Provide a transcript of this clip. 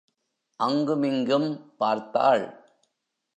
அங்கு மிங்கும் பார்த்தாள்.